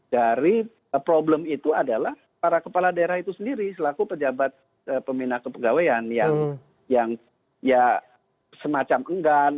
dari problem itu adalah para kepala daerah itu sendiri selaku pejabat pembina kepegawaian yang ya semacam enggan